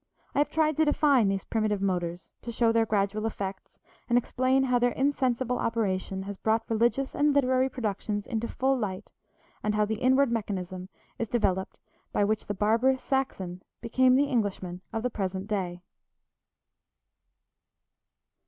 I have tried to define these primitive motors, to show their gradual effects, and explain how their insensible operation has brought religious and literary productions into full light, and how the inward mechanism is developed by which the barbarous Saxon became the Englishman of the present day.